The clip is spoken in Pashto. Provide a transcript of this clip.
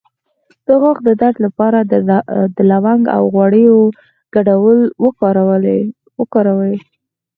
د غاښ د درد لپاره د لونګ او غوړیو ګډول وکاروئ